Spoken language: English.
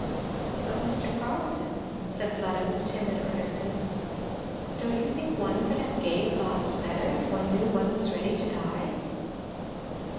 "But Mr. Carleton," said Fleda with timid earnestness, "don't you think one could have gay thoughts better if one knew one was ready to die?"